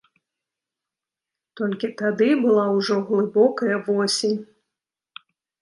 Толькі тады была ўжо глыбокая восень.